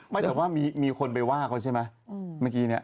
ไม่แต่ว่ามีคนไปว่าเขาใช่ไหม